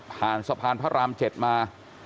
สะพานพระราม๗มา